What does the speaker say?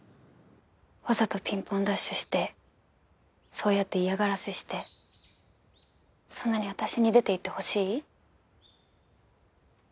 わざとピンポンダッシュしてそうやって嫌がらせしてそんなに私に出て行ってほしい？